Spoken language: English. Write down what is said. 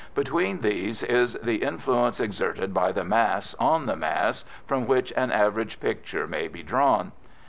Between these is the influence exerted by the mass on the mass, from which an average picture may be drawn.